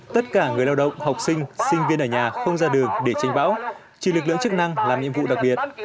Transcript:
tất cả người lao động học sinh sinh viên ở nhà không ra đường để tranh bão chỉ lực lượng chức năng làm nhiệm vụ đặc biệt